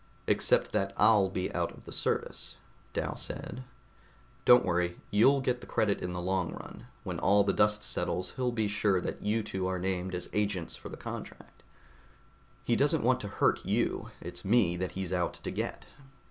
"Except that I'll be out of the service," Dal said. "Don't worry. You'll get the credit in the long run. When all the dust settles, he'll be sure that you two are named as agents for the contract. He doesn't want to hurt you, it's me that he's out to get."